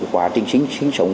quả trình sinh sống